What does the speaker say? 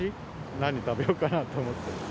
何食べようかなと思って。